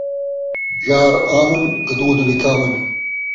یار آوِن ، گدوداں وِکاوِن